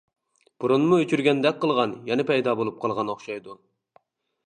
بۇرۇنمۇ ئۆچۈرگەندەك قىلغان يەنە پەيدا بولۇپ قالغان ئوخشايدۇ.